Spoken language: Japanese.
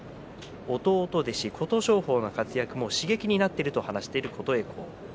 弟弟子琴勝峰の活躍も刺激になっていると話している琴恵光。